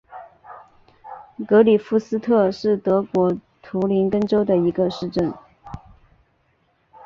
格里夫斯特是德国图林根州的一个市镇。